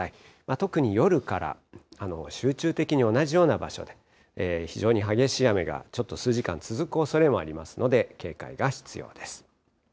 特に夜から集中的に同じような場所で、非常に激しい雨がちょっと数時間続くおそれもありますので、警戒が必要です。